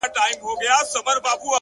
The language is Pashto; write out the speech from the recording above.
پوهه د فکر تیاره زاویې روښانوي,